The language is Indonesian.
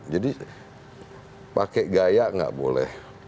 jadi pakai gaya nggak boleh